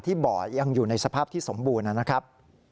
บ่อยังอยู่ในสภาพที่สมบูรณ์นะครับ